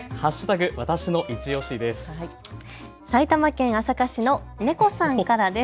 わたしのいちオシです。